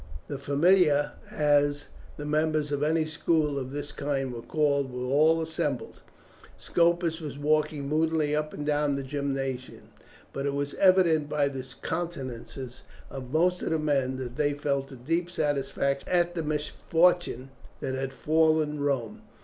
The familia, as the members of any school of this kind were called, were all assembled. Scopus was walking moodily up and down the gymnasium, but it was evident by the countenances of most of the men that they felt a deep satisfaction at the misfortune that had befallen Rome.